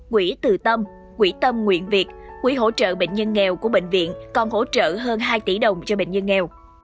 quỹ từ tâm quỹ tâm nguyện việt quỹ hỗ trợ bệnh nhân nghèo của bệnh viện còn hỗ trợ hơn hai tỷ đồng cho bệnh nhân nghèo